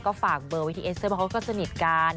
ก็ฝากเบอร์ไว้ที่เอสเตอร์เพราะเขาก็สนิทกัน